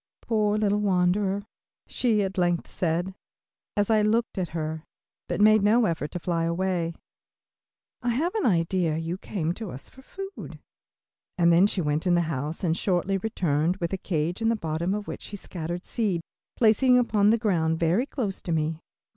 "Poor little wanderer," she at length said, as I looked at her, but made no effort to fly away, "I have an idea you came to us for food," and then she went into the house and shortly returned with a cage in the bottom of which she scattered seed, placing it upon the ground very close to me.